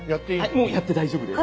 もうやって大丈夫です。